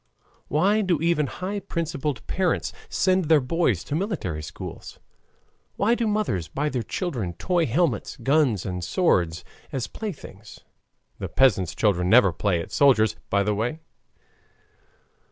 Why do even high principled parents send their boys to military schools? Why do mothers buy their children toy helmets, guns, and swords as playthings? (The peasant's children never play at soldiers, by the way).